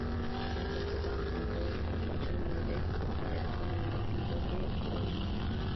Encuentro con el pintor Schneider que le recomienda al pintor E. Goetz.